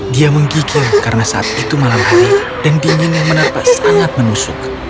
dia menggigil karena saat itu malam hari dan dingin yang menerpa sangat menusuk